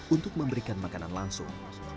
untuk memberikan makanan langsung